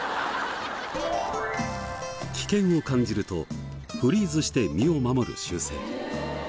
危険を感じるとフリーズして身を守る習性。